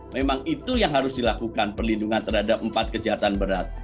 memang itu yang harus dilakukan perlindungan terhadap empat kejahatan berat